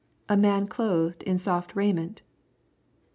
A man clothed in soft raiment